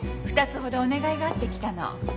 ２つほどお願いがあって来たの